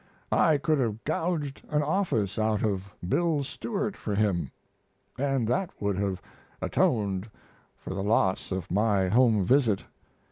I could have gouged an office out of Bill Stewart for him, and that would have atoned for the loss of my home visit.